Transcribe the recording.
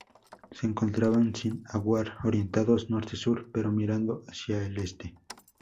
Se encontraban sin ajuar, orientados norte-sur, pero mirando hacia el este.